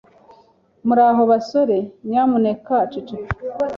Muraho basore, nyamuneka ceceka.